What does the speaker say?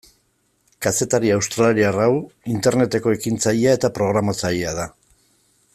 Kazetari australiar hau Interneteko ekintzailea eta programatzailea da.